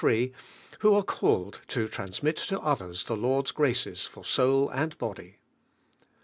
who are called to transmit to others the Lord's graces fur soul Bad body.